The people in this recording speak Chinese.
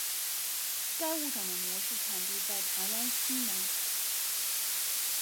该物种的模式产地在台湾西南。